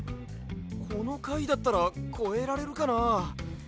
このかいだったらこえられるかな？